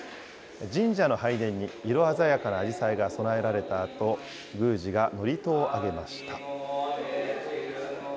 神社の拝殿に色鮮やかなあじさいが供えられたあと、宮司が祝詞をあげました。